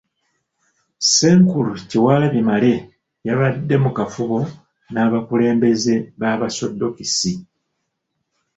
Ssenkulu Kyewalabye Male yabadde mu kafubo n'abakulembeze b'Abasoddokisi.